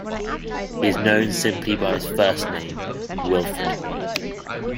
He is known simply by his first name, Wilfred.